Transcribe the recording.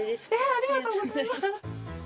ありがとうございます。